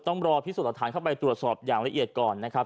ต้องรอพิสูจน์หลักฐานเข้าไปตรวจสอบอย่างละเอียดก่อนนะครับ